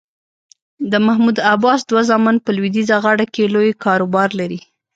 د محمود عباس دوه زامن په لویدیځه غاړه کې لوی کاروبار لري.